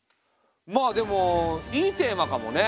まあでもいいテーマかもね。